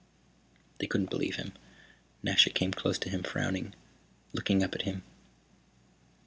They couldn't believe him. Nasha came close to him, frowning, looking up at him.